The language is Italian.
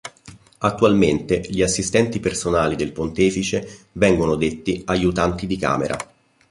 Attualmente gli assistenti personali del Pontefice vengono detti "Aiutanti di Camera".